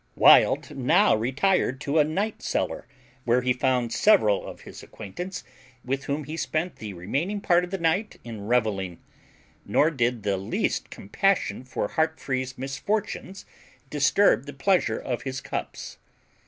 Wild now retired to a night cellar, where he found several of his acquaintance, with whom he spent the remaining part of the night in revelling; nor did the least compassion for Heartfree's misfortunes disturb the pleasure of his cups.